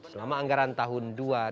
selama anggaran tahun dua ribu tujuh belas